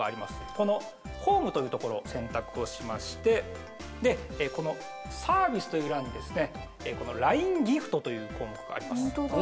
この「ホーム」というところを選択をしましてこの「サービス」という欄に「ＬＩＮＥギフト」という項目があります